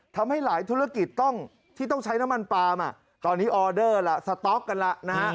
ทำให้หลายธุรกิจต้องที่ต้องใช้น้ำมันปาล์มตอนนี้ออเดอร์ล่ะสต๊อกกันแล้วนะฮะ